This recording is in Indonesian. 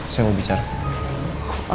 saya mau bicara